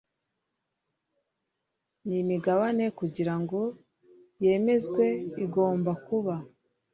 n imigabane kugira ngo yemezwe igomba kuba